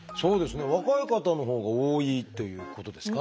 若い方のほうが多いっていうことですかね。